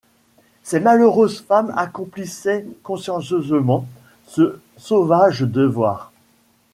Ces malheureuses femmes accomplissaient consciencieusement ce sauvage devoir.